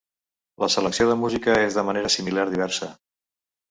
La selecció de música és de manera similar diversa.